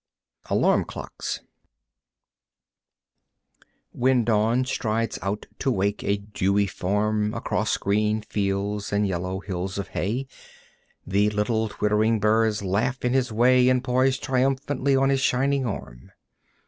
Alarm Clocks When Dawn strides out to wake a dewy farm Across green fields and yellow hills of hay The little twittering birds laugh in his way And poise triumphant on his shining arm.